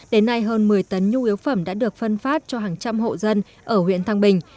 đến nay hơn một mươi tấn nhu yếu phẩm đã được phân phát cho hàng trăm hộ dân ở huyện thăng bình